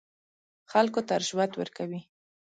خلکو ته رشوت ورکوي.